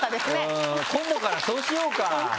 うん今度からそうしようか。